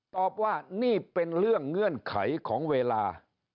ตอบว่านี่เป็นเรื่องเงื่อนไขของเวลา